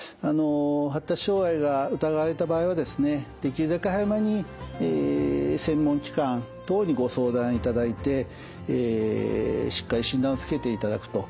発達障害が疑われた場合はですねできるだけ早めに専門機関等にご相談いただいてしっかり診断をつけていただくと。